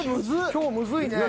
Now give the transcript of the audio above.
今日むずいね。